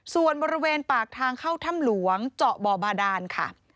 ส่วนบริเวณปากทางเข้าถ้ำหลวงเจาะบ่อบาดานค่ะ